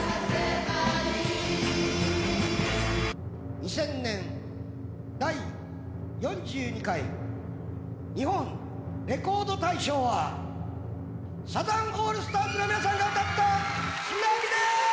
２０００年第４２回日本レコード大賞は、サザンオールスターズの皆さんが歌った「ＴＳＵＮＡＭＩ」です。